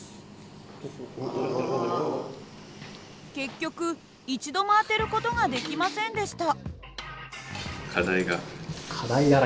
結局一度も当てる事ができませんでした。